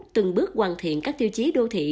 từng bước hoàn thiện các tiêu chí đô thị